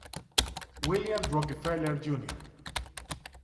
William Rockefeller Jr.